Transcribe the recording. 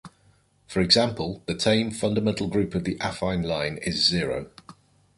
For example, the tame fundamental group of the affine line is zero.